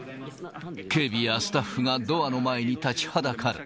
警備やスタッフがドアの前に立ちはだかる。